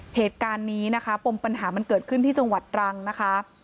เหตุการณ์นี้นะคะปมปัญหามันเกิดขึ้นที่จังหวัดตรังนะคะ